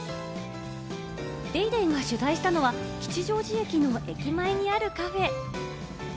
『ＤａｙＤａｙ．』が取材したのは吉祥寺駅の駅前にあるカフェ。